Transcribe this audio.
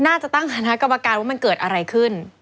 น่าจะตั้งฐานกรรมการว่ามันเกิดอะไรขึ้น